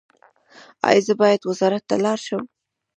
ایا زه باید وزارت ته لاړ شم؟